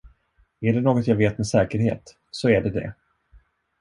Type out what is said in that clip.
Är det något jag vet med säkerhet, så är det det.